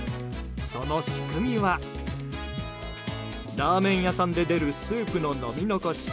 その仕組みは、ラーメン屋さんで出るスープの飲み残し。